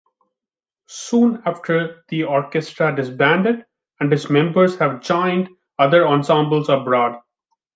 Soon after that the orchestra disbanded, and its members have joined other ensembles abroad.